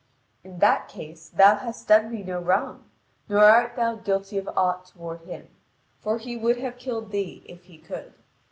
"In that case, thou hast done me no wrong, nor art thou guilty of aught toward him. For he would have killed thee, if he could.